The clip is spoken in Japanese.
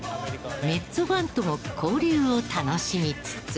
メッツファンとも交流を楽しみつつ。